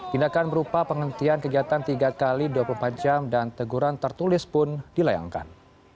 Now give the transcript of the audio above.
tindakan berupa penghentian kegiatan tiga x dua puluh empat jam dan teguran tertulis pun dilayangkan